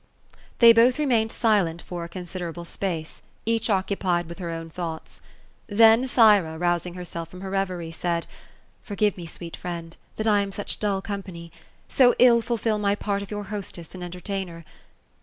They both remained silent for a considerable space ; each occupied with her own thoughta. Then, Thyra, rousing herself from her reverie, said, *' Forgive me, sweet friend, that I am such dull company — so ill fulfil my part of your hostess and entertainer.